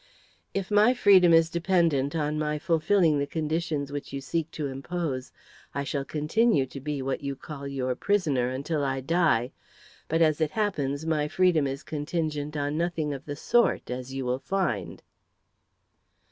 "If my freedom is dependent on my fulfilling the conditions which you would seek to impose, I shall continue to be what you call your prisoner until I die; but, as it happens, my freedom is contingent on nothing of the sort, as you will find."